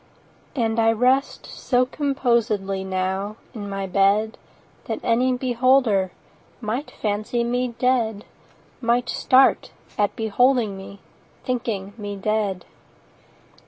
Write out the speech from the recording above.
And I rest so composedly Now, in my bed, That any beholder 15 Might fancy me dead— Might start at beholding me, Thinking me dead.